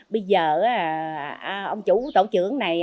bây giờ ông chủ tổ trưởng này